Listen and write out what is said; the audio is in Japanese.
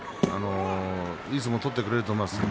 いい相撲を取ってくれています。